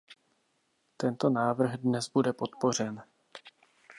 Tento návrh dnes bude podpořen.